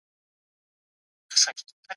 که انلاین فعالیتونه ګډ وي، یوازیتوب نه احساسېږي.